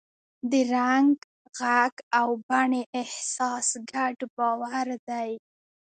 د رنګ، غږ او بڼې احساس ګډ باور دی.